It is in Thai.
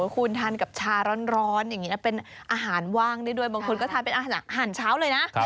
คุณทานกับชาร้อนอย่างนี้นะเป็นอาหารว่างได้ด้วยบางคนก็ทานเป็นอาหารเช้าเลยนะ